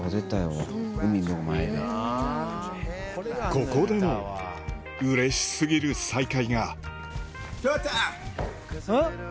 ここでもうれし過ぎる再会がん？